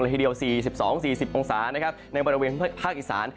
ละทีเดียว๔๒๔๐องศาในบริเวณภูมิภาคอีสาน